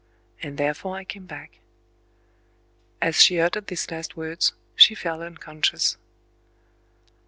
And therefore I came back."... As she uttered these last words, she fell unconscious.